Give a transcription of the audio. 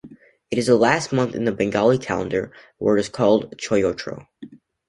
It is the last month in the Bengali calendar, where it is called Choitro.